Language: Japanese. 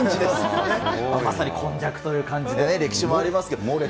まさに今昔という感じで、歴史もありますけど。